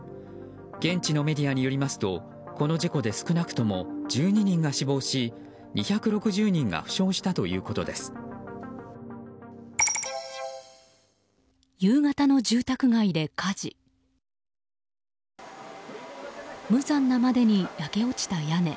現地のメディアによりますとこの事故で少なくとも１２人が死亡し２６０人が無残なまでに焼け落ちた屋根。